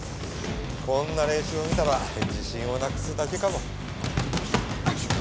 こんな練習を見たら自信をなくすだけかも。